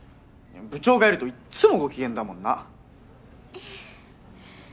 部長がいるといっつもご機嫌だもんなええ